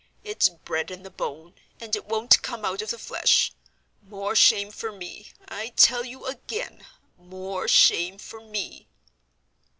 It's bred in the bone, and it wunt come out of the flesh. More shame for me, I tell you again—more shame for me!"